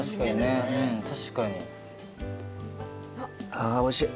ああおいしい。